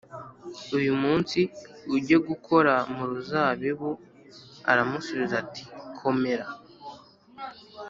uyu munsi ujye gukora mu ruzabibu Aramusubiza ati komera